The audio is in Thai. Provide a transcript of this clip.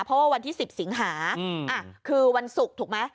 เพราะว่าวันที่สิบสิงหาอ่ะคือวันศุกร์ถูกไหมครับ